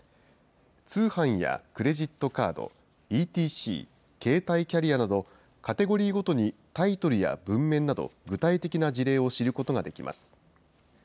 通販やクレジットカード、ＥＴＣ、携帯キャリアなど、カテゴリーごとにタイトルや文面など、具体的な事例を知ることができます。